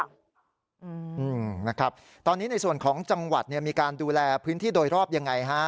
อืมนะครับตอนนี้ในส่วนของจังหวัดเนี่ยมีการดูแลพื้นที่โดยรอบยังไงฮะ